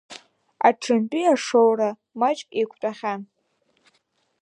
Аҽынтәи ашоура маҷк еиқәтәахьан.